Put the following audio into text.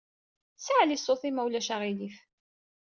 Saɛli ṣṣut-im ma ulac aɣilif.